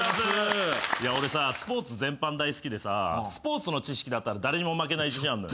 俺さスポーツ全般大好きでさスポーツの知識だったら誰にも負けない自信あんのよ。